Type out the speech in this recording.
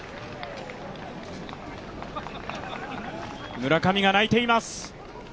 村上が泣いています。